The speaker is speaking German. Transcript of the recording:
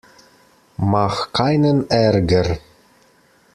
Mach keinen Ärger!